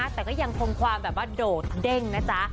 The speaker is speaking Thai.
แต่ก็ยังคงความแบบว่าโดดเด้งนะจ๊ะ